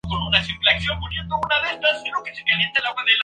Bishop Mus.